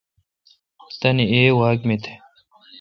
تان ای واک می تھ۔